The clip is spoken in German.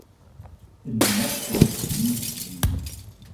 In Norfolk lebt sie.